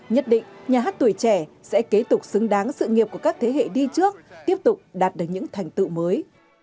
nhất định nhà hát tuổi trẻ sẽ kế tục xứng đáng sự nghiệp của các thế hệ đi trước tiếp tục đạt được những thành tựu mới